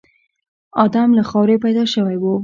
ادم له خاورې پيدا شوی و.